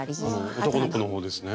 男の子の方ですね。